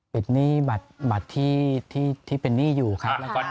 หนี้บัตรที่เป็นหนี้อยู่ครับ